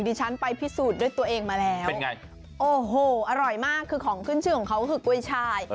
ฉันไปพิสูจน์ด้วยตัวเองมาแล้วเป็นไงโอ้โหอร่อยมากคือของขึ้นชื่อของเขาคือกล้วยชาย